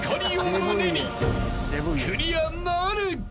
胸にクリアなるか？］